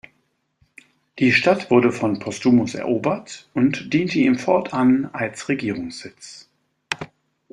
Die Stadt wurde von Postumus erobert und diente ihm fortan als Regierungssitz.